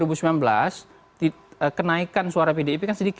dan kita menemukan bahwa ada hubungan antara tingkat suara untuk indonesia dan negara